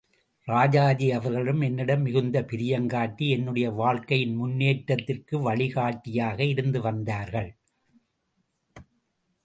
ராஜாஜி அவர்களும் என்னிடம் மிகுந்த பிரியம் காட்டி என்னுடைய வாழ்க்கையின் முன்னேற்றத்திற்கு வழிகாட்டியாக இருந்து வந்தார்கள்.